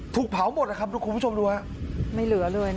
ถูกเผาหมดอ่ะครับทุกคุณผู้ชมดูอ่ะไม่เหลือเลยนะครับ